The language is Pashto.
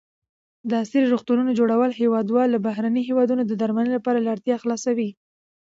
د عصري روغتونو جوړول هېوادوال له بهرنیو هېوادونو د درملنې لپاره له اړتیا خلاصوي.